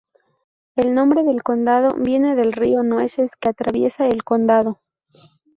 El nombre del condado viene del río Nueces, que atraviesa el condado.